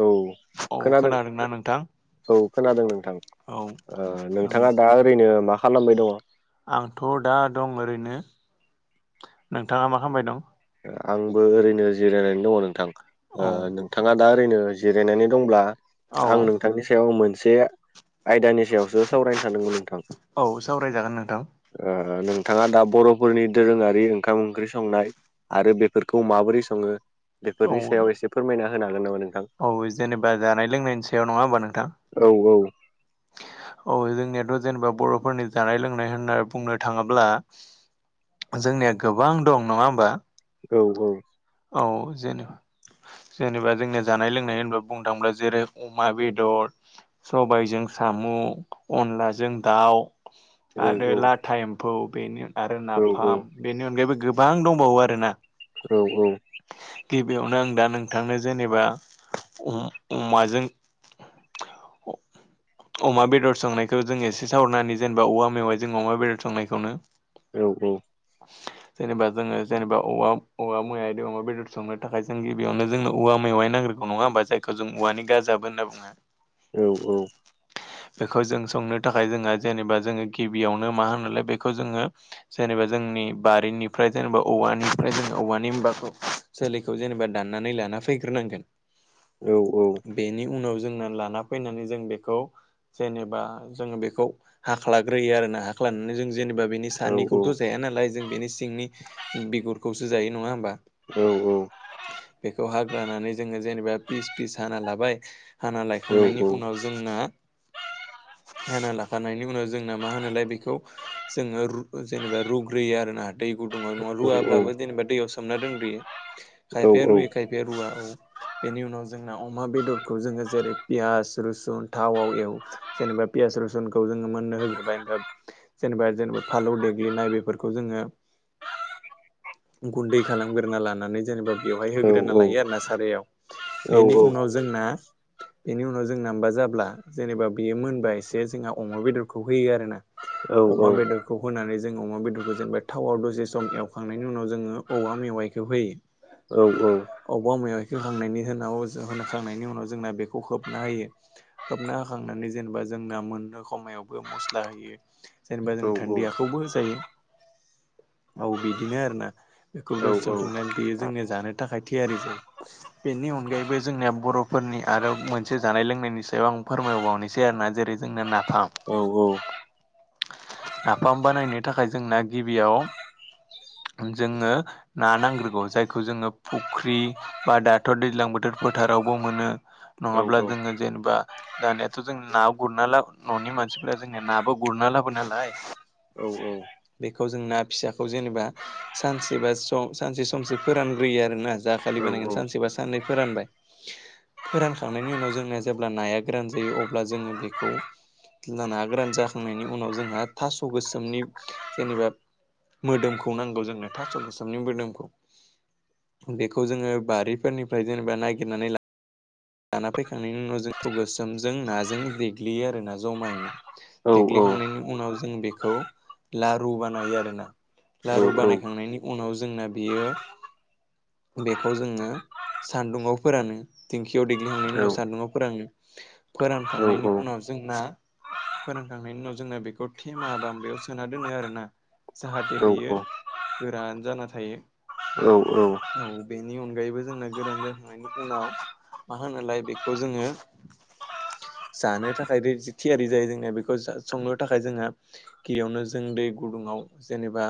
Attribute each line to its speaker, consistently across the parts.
Speaker 1: औ
Speaker 2: औ
Speaker 1: खोनादों
Speaker 2: खोनादोंना नोंथां
Speaker 1: औ खोनादों नोंथां
Speaker 2: औ ओं
Speaker 1: नोंथाङा दा ओरैनो मा खालामबाय दङ
Speaker 2: आंथ' दा दं ओरैनो नोंथाङा मा खालामबाय दं
Speaker 1: आंबो ओरैनो जिरायनानै दङ नोंथां
Speaker 2: औ
Speaker 1: नोंथाङा दा ओरैनो जिरायनानै दंब्ला
Speaker 2: औ
Speaker 1: आं नोंथांनि सायाव मोनसे आयदानि सायावसो सावरायनो सानदोंमोन नोंथां
Speaker 2: औ सावरायजागोन नोंथां
Speaker 1: नोंथाङा दा बर'फोरनि दोरोङारि ओंखाम ओंख्रि संनाय आरो बेफोरखौ माबोरै सङो
Speaker 2: औ
Speaker 1: बेफोरनि सायाव एसे फोरमायना होनो हागोन नामा नोंथां
Speaker 2: औ जेनेबा जानाय लोंनायनि सायाव नङा होनबा नोंथां
Speaker 1: औ-औ
Speaker 2: औ जोंनियाथ' जेनेबा बर'फोरनि जानाय लोंनाय होनना बुंनो थांङोब्ला जोंनिया गोबां दं नंङा होमबा
Speaker 1: औ औ
Speaker 2: औ जेनेबा जेनेबा जोंनि जानाय लोंनाय होनबा बुंनो थांङोब्ला जेरै अमा बेदर सबायजों साम' अनलाजों दाउ
Speaker 1: औ
Speaker 2: आरो
Speaker 1: औ
Speaker 2: लाथा एम्फौ बेनि आरो
Speaker 1: औ
Speaker 2: नाफाम बेनि अनगायैबो गोबां दंबावो आरोना
Speaker 1: औ औ
Speaker 2: गिबियावनो आं दा नोंथांनो जेनेबा अमाजों औ अमा बेदर संनायखौ जोंङो एसे सावरनानै जेनेबा औवा मेवाय जों अमा बेदर संनायखौनो
Speaker 1: औ औ
Speaker 2: [inaudible] जेनेबा जोंङो जेनेबा औवा औवा मेवाइजों अमा बेदर संनो थाखाय जों गिबियावनो जोंनो औवा मेवाइ नागिरो नंङा होमबा जायखौ जों औवानि गाजाबो होनना बुंङो।
Speaker 1: औ औ
Speaker 2: [inaudible] बेखौ जों संनो थाखाय जोंहा जेनेबा जोंङो गिबियावनो मा होनलाय बेखौ जोंङो जेनेबा जोंनि बारिनिफ्राय जेनेबा औवानिफ्राय जों औवानि होनबाथ सोखौ जेनेबा दाननानै लाना फ फैग्रोनांगोन
Speaker 1: औ औ
Speaker 2: बेनि उनाव जोंना लाना फैनानै जों बेखौ जेनेबा जोंङो बेखौ हाख्लाग्रोयो आरो ना हाख्लानानै जों जेनेबा बेनि
Speaker 1: औ
Speaker 2: सानिखौथ' जाया नालाय जों बेनि सिंनि बिगुरखौसो जायो नंङा होमबा
Speaker 1: औ औ
Speaker 2: बेखौ हाग्रानानै जोंङो जेनेबा पिस फिस हाना लाबाय हाना
Speaker 1: आं
Speaker 2: लायखांनायनि उनाव जोंना हाना लाखानायनि उनाव जोंना मा होनोलाय बेखौ जोंङो जेनेबा रुग्रोयो आरोना दै गुदुंआव नंङा रुवाब्लाबो जेनेबा दैयाव सोमना दोनग्रोयो खायफाया रुयो
Speaker 1: नोंथांनि
Speaker 2: खायफाया रुवा औ बेनि उनाव जोंना अमा बेदरखौ जोंङो जेरै पियास रुसुन थावाव एव जेनेबा पियास रसुनखौ जोंङो मोननो होग्रोबाय जेनेबा जेनेबा फालौ देग्लिनाय बे जोंङो गुन्दै खालामग्रोना लानानै जेनेबा बेवहाय होग्रोना लायो आरोना सारायाव बेनि उनाव जोंना बेनि उनाव जों नामबा जाब्ला जेनेबा बियो मोनबा एसे जोंहा अमा बेदरखौ होयो आरोना अमा बेदरखौ होनानै जों अमा बेदरखौ जेनबा थावआव दसे सम एवखांनायनि उनाव जोंङो औवा मेवाइखौ होयो।
Speaker 1: औ औ
Speaker 2: औवा मेवाइखो होनोखांनायनि उनाव जोंना बेखौ खोबना होयो। खोबना होखांनानै जेनेबा जोंना मोननो खमायावबो मस्ला होयो। जेनेबा जों धोन्दियाखौबो होजायो औ बिदिनो आरोना बेखौ दसे ज संनानै बेयो जोंनि जानो थाखाय थियारि जायो। बेनि अनगायैबो जोंनिया बर'फोरनि आरो मोनसे जानाय लोंनायनि सायाव आं फोरमायबावनोसै आरोना जेरै जोंनो नाफाम
Speaker 1: औ औ
Speaker 2: नाफाम बानायनो थाखाय जोंना गिबियाव जोंङो ना नांग्रोगौ जायखौ जोंङो फुख्रि बा दाथ' दैज्लां बोथोर फोथारावबो मोनो नङाब्ला जोंङो जेनेबा दानियाथ' जों ना गुरना ला न'नि मानसिफोरा जोंनिया नाबो गुरना लाबो नालाय।
Speaker 1: औ औ
Speaker 2: बेखौ जों ना फिसाखौ जेनेबा सानसे बा सम सानसे समसो फोरानग्रोयो आरोना जा खालि बानायगोन सानसे बा साननै फोरानबाय फोरानखांनायनि उनाव जोंनिया जेब्ला नाया गोरान जायो अब्ला जोङो बेखौ ना गोरान जाखांनायनि उनाव जोंहा थास' गोसोमनि जेनेबा मोदोमखौ नांगौ जोंनो थास' गोसोमनि मोदोमखौ। बेखौ जोङो बारिफोरनिफ्राय जेनेबा नागिरनानै ला लाना फैखांनायनि उनाव जों [unintelligible] थौ गोसोमजों नाजों देग्लियो आरोना जमायैनो। देग्लिखांनायनि उनाव जों बेखौ लारु बानायो आरोना लारु बानायखांनायनि उनाव जोंना बेयो बेखौ जोङो सान्दुङाव फोरानो दिंखियाव देग्लिखांनायनि उनाव सान्दुङाव फोरानो। फोरानखांनायनि उनाव जोंना फोरानखांनायनि उनाव जोंना बेखौ थेमा बा माबायाव सोना दोनो आरोना जाहाथे बेयो गोरान जाना थायो।
Speaker 1: औ औ
Speaker 2: औ बेनि अनगायैबो जोंना गोरान जाखांनायनि उनाव मा होनोलाय बेखौ जोङो जानो थाखाय रे थियारि जायो जोंनिया बेखौ संनो थाखाय जोंहा गिबियावनो जों दै गुदुङाव जेनेबा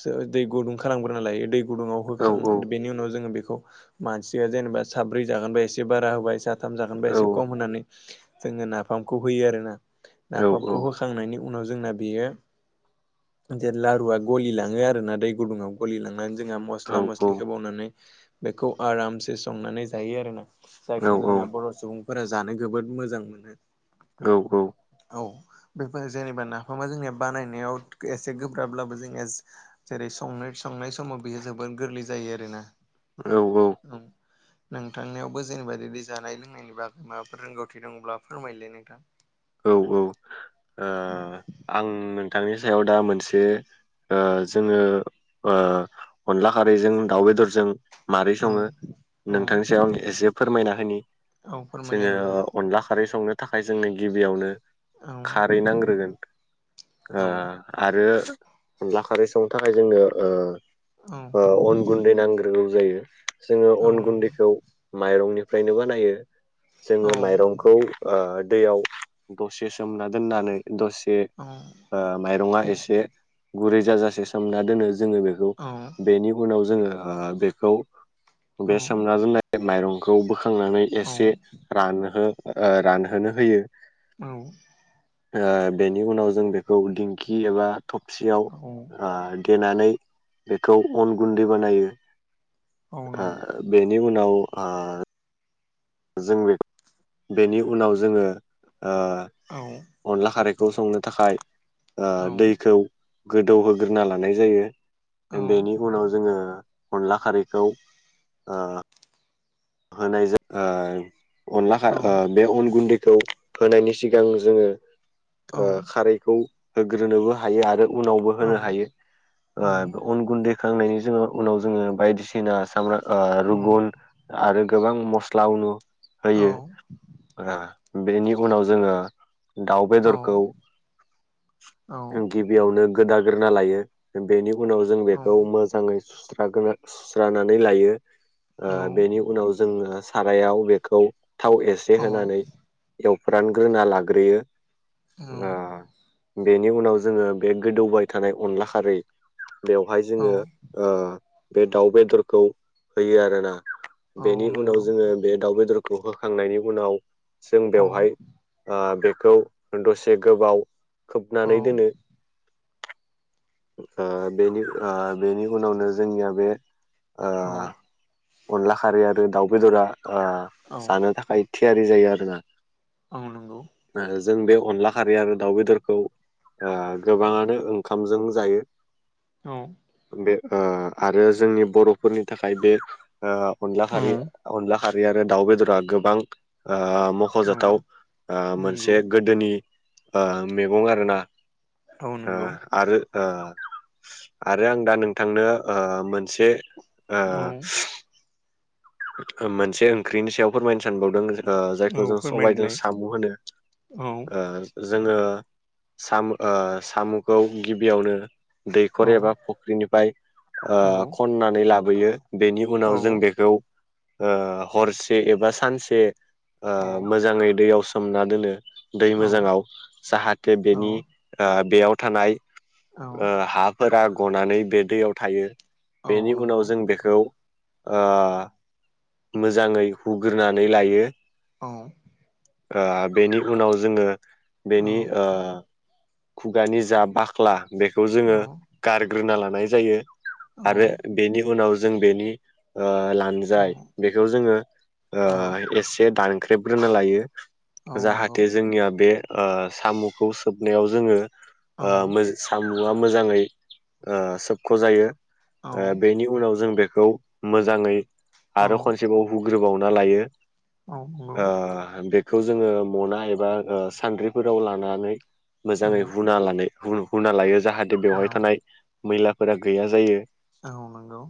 Speaker 2: सो दै गुदुं खालामग्रोना लायो दै गुदुङाव होखां बेनि उनाव जोङो बेखौ मानसिया जेनेबा साब्रै जागोन बा एसे बारा होबाय साथाम जागोनबा एसे कम होनानै जोङो नाफामखौ होयो आरोना नाफामखौ होखांनायनि उनाव जोंना बेयो [inaudible] जे लारुआ गलि लाङो आरोना दै गुदुङाव गलि लांनानै जोंहा मस्ला मस्लि होबावनानै बेखौ आरामसे संनानै जायो आरोना। जायखौ जोंना बर' सुबुंफोरा जानो जोबोद मोजां मोनो।
Speaker 1: औ औ
Speaker 2: औ बेखौनो जेनेबा ना फामा जोंनिया बानायनायाव एसे गोब्राबब्लाबो जोंनिया जेरै संनो संनाय समाव बेयो जोबोर गोरलै जायो आरोना।
Speaker 1: औ औ
Speaker 2: औ नोंथांनियावबो जेनेबा बिदि जानाय लोंनायनि बागै माबाफोर रोंगौथि दंब्ला फोरमायलाय नोंथां। [inaudible]
Speaker 1: औ औ ओ
Speaker 2: औ
Speaker 1: आं नोंथांनि सायाव दा मोनसे ओ जोङो ओ अनला खारैजों दाउ बेदरजों मारै
Speaker 2: औ
Speaker 1: सङो
Speaker 2: औ
Speaker 1: नोंथांनि सायाव आं एसे फोरमायना होनि
Speaker 2: औ फोरमायलाय
Speaker 1: जोङो
Speaker 2: नोंथां
Speaker 1: अनला खारै संनो थाखाय जोंनो गिबियावनो
Speaker 2: औ
Speaker 1: खारै नांग्रोगोन ओ
Speaker 2: औ
Speaker 1: आरो अनला खारै संनो थाखाय जोंनो ओ ओ अन गुन दै नांग्रोगौ जायो जोङो
Speaker 2: औ औ
Speaker 1: अन
Speaker 2: नंगौ
Speaker 1: गुन्दैखौ माइरंनिफ्रायनो बानायो। जोङो
Speaker 2: औ
Speaker 1: माइरंखौ ओ दैयाव दसे सोमना दोननानै दसे
Speaker 2: औ
Speaker 1: ओ माइरङा एसे गुरै जाजासे सोमना दोनो जोङो बेखौ बेनि उनाव जोङो ओ बेखौ बे सोमना दोननाय माइरंखौ बोखांनानै एसे रानहो ओ रानहोनो होयो।
Speaker 2: औ
Speaker 1: ओ बेनि उनाव जों बेखौ दिंखि एबा थबसियाव ओ देनानै बेखौ अन गुन्दै बानायो ओ बेनि उनाव ओ जों बे बेनि उनाव जोङो ओ
Speaker 2: आ
Speaker 1: अनला खारैखौ संनो थाखाय ओ दैखौ गोदौहोग्रोना लानाय जायो बेनि उनाव जोङो अनला खारैखौ ओ होनाय आ अनला खार बे अन गुन्दैखौ होनायनि सिगां जोङो खारैखौ होग्रोनोबो हायो आरो उनावबो होनो हायो ओ अन गुन्दै होखांनायनि जो उनाव जोङो बायदिसिना सामब्र रुगुन आरो गोबां मस्ला उनु होयो बेनि उनाव जोङो दाउ बेदरखौ
Speaker 2: औ
Speaker 1: गिबियावनो गोदाग्रोना लायो बेनि उनाव जों बेखौ मोजाङै सुस्रोन सुस्रानानै लायो ओ बेनि उनाव जोङो सारायाव बेखौ थाव एसे
Speaker 2: औ
Speaker 1: होनानै एवफ्रान ग्रोना लाग्रोयो आ बेनि उनाव जोङो बे गोदौबाय थानाय अनला खारै बेवहाय
Speaker 2: औ
Speaker 1: जोङो ओ बे दाउ बेदरखौ होयो आरोना
Speaker 2: औ
Speaker 1: बेनि उनाव
Speaker 2: नंगौ
Speaker 1: जोङो बे दाउ बेदरखौ होखांनायनि उनाव जों
Speaker 2: औ
Speaker 1: बेवहाय बेखौ दसे गोबाव
Speaker 2: औ
Speaker 1: खोबनानै दोनो ओ बेनि बेनि उनावनो जोंनिया बे ओ
Speaker 2: औ
Speaker 1: अनला खारै आरो दाउ बेदरा जानो थाखाय थियारि जायो आरो ना
Speaker 2: आं नंगौ
Speaker 1: ओ जों बे अनला खारै आरो दाउ बेदरखौ ओ
Speaker 2: औ नंगौ औ
Speaker 1: गोबाङानो ओंखामजों जायो
Speaker 2: औ
Speaker 1: बे ओ आरो जोंनि बर'फोरनि थाखाय बे ओ अनला खारि अनला खारै आरो दाउ बेदरा गोबां ओ मख'जाथाव
Speaker 2: औ
Speaker 1: मोनसे गोदोनि आ मैगं आरोना ओ आरो ओ आरो आं दा नोंथांनो ओ मोनसे आ मोनसे ओंख्रिनि सायाव फोरमायनो सानबावदों। ओ जायखौ जों सबायाइजों साम' होनो ओ जोङो साम ओ साम'खौ गिबियावनो दैखर एबा फुख्रिनिफ्राय ओ खननानै लाबोयो बेनि उनाव जों बेखौ ओ हरसे एबा सानसे ओ मोजाङै दैयाव सोमना दोनो। दै मोजाङाव जाहाथे
Speaker 2: औ
Speaker 1: बेनि ओ बेयाव थानाय
Speaker 2: औ
Speaker 1: ओ
Speaker 2: औ
Speaker 1: हा फोरा गनानै बे दैयाव थायो
Speaker 2: औ
Speaker 1: बेनि
Speaker 2: नंगौ
Speaker 1: उनाव जों बेखौ ओ मोजाङै हुग्रोनानै लायो
Speaker 2: औ
Speaker 1: ओ बेनि उनाव जोङो
Speaker 2: औ
Speaker 1: बेनि ओ खुगानि जा बाख्ला बेखौ
Speaker 2: औ
Speaker 1: जोङो गारग्रोना लानाय जायो।
Speaker 2: औ
Speaker 1: आरो बेनि उनाव जों बेनि ला जाय
Speaker 2: औ
Speaker 1: बेखौ जोङो ओ
Speaker 2: औ
Speaker 1: एसे दानख्रेबग्रोना लायो
Speaker 2: औ नंगौ
Speaker 1: जाहाथे जोंनिया बे ओ साम'खौ सोबनायाव जोङो
Speaker 2: औ
Speaker 1: ओ साम'आ मोजाङै ओ सोबख' जायो
Speaker 2: औ
Speaker 1: बेनि उनाव जों बेखौ मोजाङै
Speaker 2: औ
Speaker 1: आरो खनसेबाव हुग्रोबावना लायो
Speaker 2: औ नंगौ
Speaker 1: बे खौ जोङो मना एबा सान्द्रिफोराव लानानै
Speaker 2: औ
Speaker 1: मोजाङै हुना लानाय हु हुना लायो जाहाथे
Speaker 2: औ
Speaker 1: बेवहाय थानाय मैलाफोरा गैया जायो।
Speaker 2: औ नोंगौ।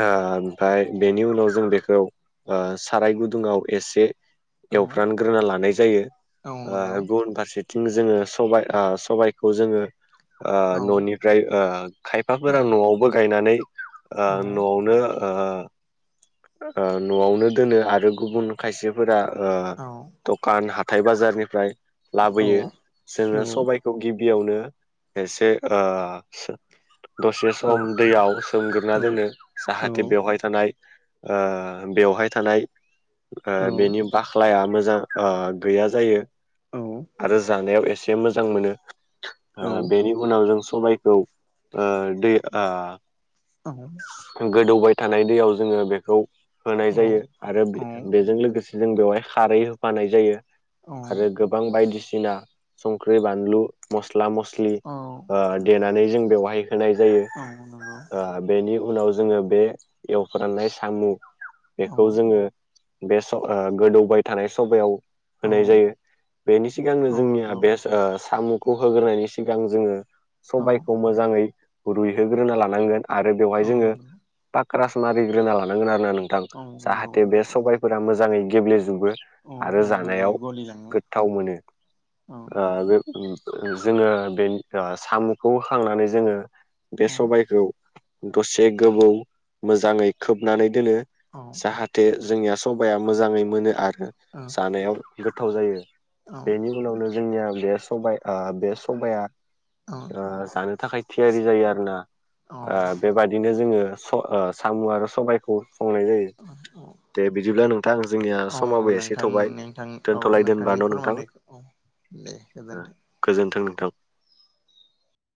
Speaker 1: ओ ओमफ्राय बेनि उनाव जों बेखौ साराय गुदुङाव एसे
Speaker 2: औ
Speaker 1: एवफ्रानग्रोना लानाय जायो
Speaker 2: औ नंगौ
Speaker 1: गुबुन फारसे थिं जोङो सबाय ओ सबायखौ जोङो ओ
Speaker 2: औ
Speaker 1: न'नि ओमफ्राय
Speaker 2: औ
Speaker 1: खायफाफोरा
Speaker 2: नंगौ औ
Speaker 1: न'आवबो गायनानै न'आवनो ओ न'आवनो दोनो आरो गुबुन खायसेफोरा ओ दखान हाथाय बाजारनिफ्राय लाबोयो जोङो सबाइ बेखौ गिबियावनो एसे ओ दसे सम दैयाव सोमग्रोना दोनो जाहाथे बेवहाय थानाय ओ बेवहाय थानाय ओ बेनि बाख्लाया मोजां ओ गैया जायो आरो जानायाव एसे मोजां मोनो ओ बेनि उनाव जों सबायखौ दै आ
Speaker 2: [unintelligible]
Speaker 1: गोदौबाय थानाय दैयाव जोङो बेखौ होनाय जायो आरो बेजों लोगोसे जों बेवहाय खारै होफानाय जायो आरो गो बां बायदिसिना संख्रि बानलु मस्ला मस्लि
Speaker 2: औ नंगौ औ
Speaker 1: देनानै जों बेवहाय होनाय जायो।
Speaker 2: औ नोंगौ
Speaker 1: ओ बेनि उनाव जोङो बे फोराननाय सामु बेखौ
Speaker 2: औ
Speaker 1: जोङो बे गोदौबाय थानाय सबायाव होनाय जायो बेनि सिगांनो जोंनिया बे ओ साम'खौ होग्रनि सिगां जोङो सबायखौ मो जायै रुइहोग्रोना लानांगोन आरो बेवहाय जोङो पाक्रास मारिग्रोना लानांगोन आरोना नोंथां
Speaker 2: नंगौ
Speaker 1: जाहाथे बे
Speaker 2: औ
Speaker 1: सबायफोरा मोजाङै गेब्लेजोबो। आरो
Speaker 2: औ मोजाङै
Speaker 1: जानायाव
Speaker 2: गलिलाङो
Speaker 1: गोथाव मोनो
Speaker 2: औ
Speaker 1: बे जोङो बे साम'खौ होखांनानै जोङो बे
Speaker 2: नोंथां
Speaker 1: सबायखौ दसे गोबाव मोजाङै खोबनानै दोनो जाहाथे जोंनिया सबाया मोजाङै मोनो आरो जानायाव गोथाव जायो बेनि नावनो जोंनिया बे साबाय बे सबाया जानो थाखाय थियारि जायो आरोना बेबादिनो जोङो साम' आरो सबायखौ संनाय जायो
Speaker 2: अ औ
Speaker 1: दे बिदिब्ला नोंथां जोंनिया
Speaker 2: औ
Speaker 1: समाबो एसे
Speaker 2: नोंथां
Speaker 1: थौबाय
Speaker 2: नोंथां औ
Speaker 1: दोनथ'लायदो होनबा
Speaker 2: नोंथांनि
Speaker 1: न' नोंथां
Speaker 2: फोरमायनायखौ औ दे गोजोन्थों
Speaker 1: गोजोन्थों नोंथां